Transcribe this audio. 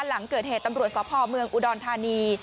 หลังเกิดเหตุตำรวจสพเมืองอุดรธานี